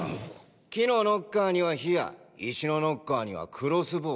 木のノッカーには火矢石のノッカーにはクロスボウ。